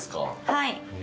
はい。